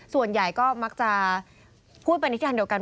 ส่วนใหญ่ก็มักจะพูดไปในทางเดียวกัน